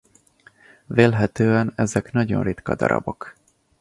Vélhetően ezek nagyon ritka darabok.